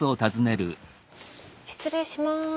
失礼します。